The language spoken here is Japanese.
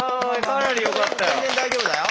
かなりよかったよ。